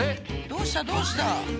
どうしたどうした？